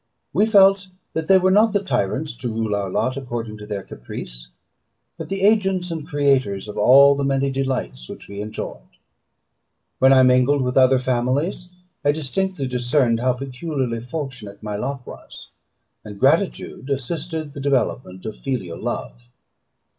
We felt that they were not the tyrants to rule our lot according to their caprice, but the agents and creators of all the many delights which we enjoyed. When I mingled with other families, I distinctly discerned how peculiarly fortunate my lot was, and gratitude assisted the developement of filial love.